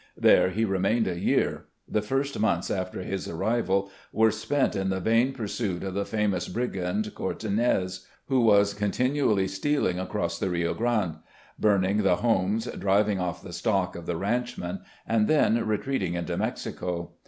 There he remained a year. The first months after his arrival were spent in the vain pursuit of the famous brigand, Cortinez, who was con tinually stealing across the Rio Grande, burning the homes, driving off the stock of the ranchmen, and then retreating into Mexico.